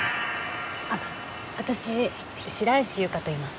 あっ私白石ゆかといいます。